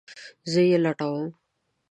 زه یی لټوم